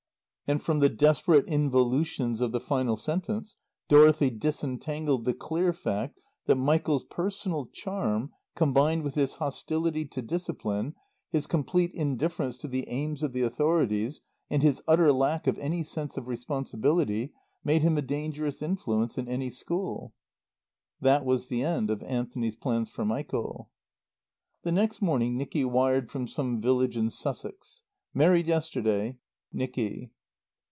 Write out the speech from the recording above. And from the desperate involutions of the final sentence Dorothy disentangled the clear fact that Michael's personal charm, combined with his hostility to discipline, his complete indifference to the aims of the authorities, and his utter lack of any sense of responsibility, made him a dangerous influence in any school. That was the end of Anthony's plans for Michael. The next morning Nicky wired from some village in Sussex: "Married yesterday. NICKY."